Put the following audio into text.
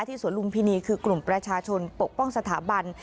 สวนลุมพินีคือกลุ่มประชาชนปกป้องสถาบัน